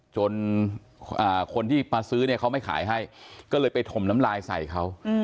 จนคนที่มาซื้อเนี่ยเขาไม่ขายให้ก็เลยไปถมน้ำลายใส่เขา